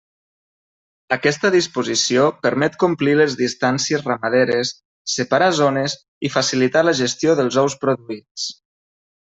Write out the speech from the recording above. Aquesta disposició permet complir les distàncies ramaderes, separar zones i facilitar la gestió dels ous produïts.